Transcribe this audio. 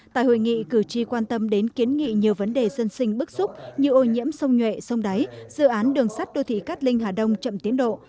tại hội nghị cử tri quan tâm đến kiến nghị nhiều vấn đề dân sinh bức xúc như ô nhiễm sông nhuệ sông đáy dự án đường sắt đô thị cát linh hà đông chậm tiến độ